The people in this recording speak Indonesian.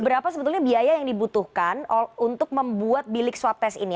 berapa sebetulnya biaya yang dibutuhkan untuk membuat bilik swab test ini